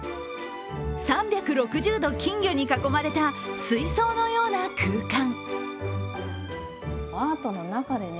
３６０度金魚に囲まれた水槽のような空間。